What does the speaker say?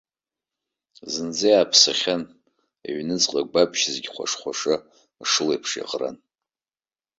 Зынӡа иааԥсахьан, аҩныҵҟа агәаԥшь зегьы хәаш-хәаша ашылеиԥш иаӷран.